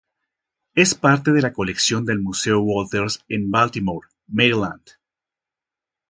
Es parte de la colección del Museo Walters en Baltimore, Maryland.